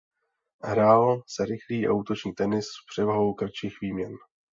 Hrál se rychlý a útočný tenis s převahou kratších výměn.